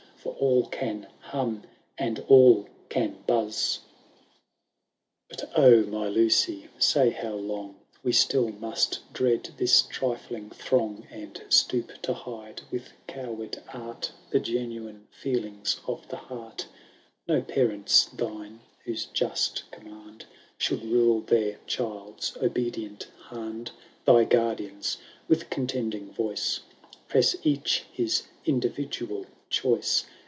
For all can hum and all can buzs. IIL But oh, my XiOcy, say how long We still must drrad this trifling throng, And stoop to hide, with coward art, The genuine feelings of the heart I No parents thine, whose just command Should rule their child's obedient hand ; Thy guardians, with contending yoice. Press each his individual choice.